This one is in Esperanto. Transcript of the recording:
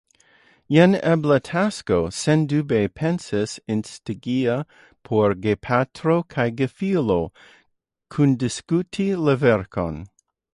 Jen ebla tasko, sendube pens-instiga, por gepatro kaj gefilo: kundiskuti la verkon.